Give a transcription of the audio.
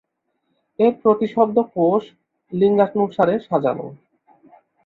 এর প্রতিশব্দ কোষ, লিঙ্গানুসারে সাজানো।